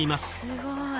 すごい。